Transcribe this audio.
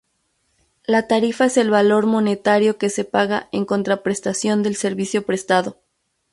La tarifa es el valor monetario que se paga en contraprestación del servicio prestado.